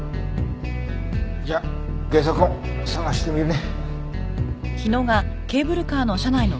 じゃあゲソ痕捜してみるね。